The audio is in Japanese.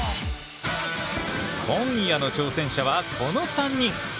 今夜の挑戦者はこの３人！